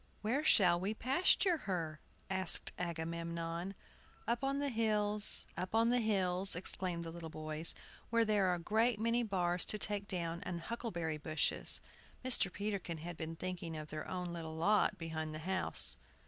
"Where shall we pasture her?" asked Agamemnon. "Up on the hills, up on the hills," exclaimed the little boys, "where there are a great many bars to take down, and huckleberry bushes!" Mr. Peterkin had been thinking of their own little lot behind the house.